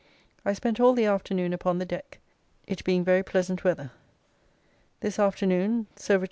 I spent all the afternoon upon the deck, it being very pleasant weather. This afternoon Sir Rich.